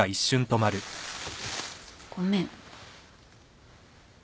ごめん。